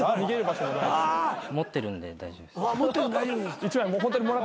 持ってるんで大丈夫です。